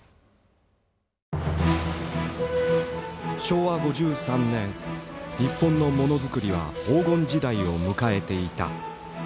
昭和５３年日本の物作りは黄金時代を迎えていた。